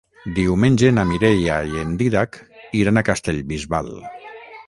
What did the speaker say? Diumenge na Mireia i en Dídac iran a Castellbisbal.